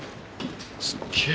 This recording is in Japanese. すっげえ！